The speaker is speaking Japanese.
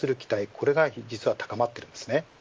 これが実は高まっているんですね。